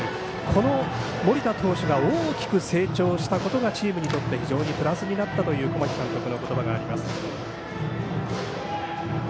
この森田投手が大きく成長したことがチームにとって非常にプラスになったという小牧監督の言葉があります。